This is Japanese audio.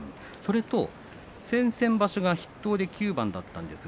先々場所が筆頭で９番でした。